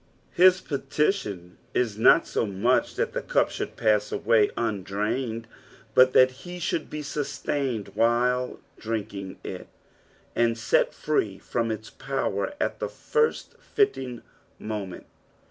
His petition is not so much that tbo cup should puss away undrained, but that he should be sustained while drinking it, and set free from its power at the first fitting moment.